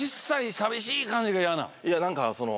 寂しい感じが嫌なん？